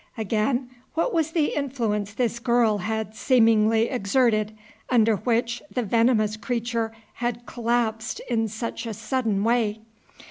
Again, what was the influence this girl had seemingly exerted, under which the venomous creature had collapsed in such a sudden way?